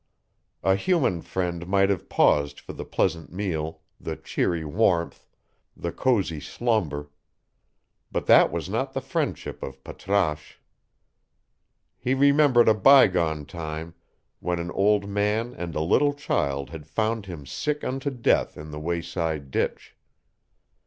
A human friend might have paused for the pleasant meal, the cheery warmth, the cosey slumber; but that was not the friendship of Patrasche. He remembered a bygone time, when an old man and a little child had found him sick unto death in the wayside ditch.